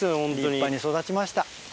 立派に育ちました。